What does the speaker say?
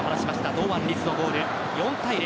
堂安律のゴール４対０。